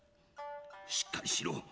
「しっかりしろ！